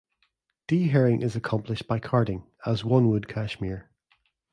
Dehairing is accomplished by carding as one would cashmere.